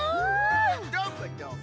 どーもどーも！